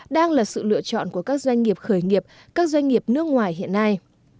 đang là sự lựa chọn của các doanh nghiệp khởi nghiệp các doanh nghiệp nước ngoài hiện nay